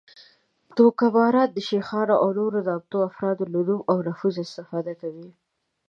دوکه ماران د شیخانو او نورو نامتو افرادو له نوم او نفوذ استفاده کوي